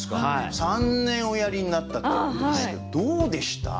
３年おやりになったっていうことですけどどうでした？